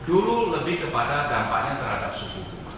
itu lebih kepada dampaknya terhadap susung kubu